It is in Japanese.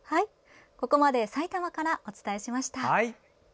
ここまで、埼玉からお伝えしました。